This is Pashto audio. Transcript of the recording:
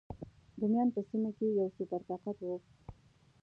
رومیان په سیمه کې یو سوپر طاقت و.